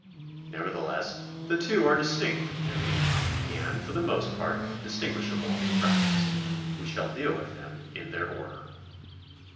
Nevertheless the two are dis tinct in theory, and for the most part distinguishable in practice. We shall deal with them in their order.